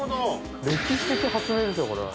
歴史的発明ですよ。